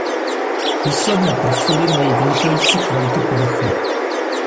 Výsledné profily mají vynikající kvalitu povrchu.